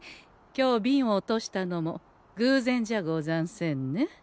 今日ビンを落としたのもぐうぜんじゃござんせんね？